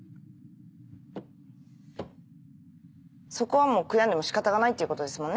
そこはもう悔やんでも仕方がないっていうことですもんね。